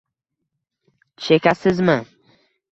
Chekasizmi?